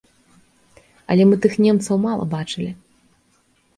Але мы тых немцаў мала бачылі.